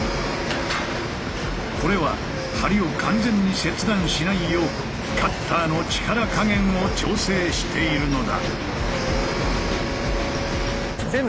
これは梁を完全に切断しないようカッターの力加減を調整しているのだ。